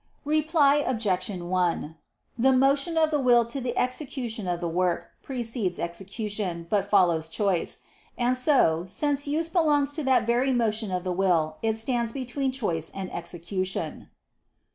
Reply Obj. 1: The motion of the will to the execution of the work, precedes execution, but follows choice. And so, since use belongs to that very motion of the will, it stands between choice and execution.